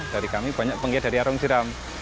dari kami banyak penggiat dari arang jeram